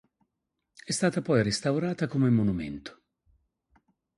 È stata poi restaurata come monumento.